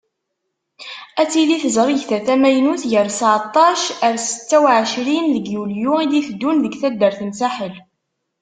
Ad tili tezrigt-a tamaynut, gar seεṭac ar setta u εecrin deg yulyu i d-itteddun deg taddart n Saḥel.